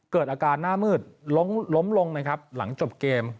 เกิดอาการหน้ามืดล้มลงนะครับหลังจบเกม